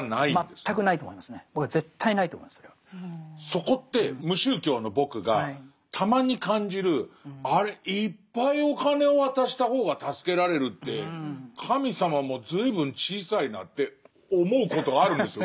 そこって無宗教の僕がたまに感じるあれいっぱいお金を渡した方が助けられるって神様も随分小さいなって思うことがあるんですよ